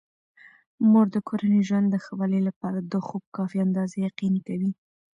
مور د کورني ژوند د ښه والي لپاره د خوب کافي اندازه یقیني کوي.